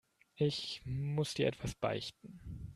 Ich muss dir etwas beichten.